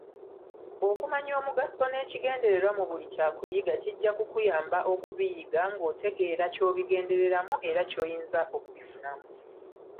Okumanya omugaso n'ekigendererwa mu buli kyakuyiga kijja kukuyamba okubiyiga ng'otegeera ky'obigendereramu era ky'oyinza okubifunamu.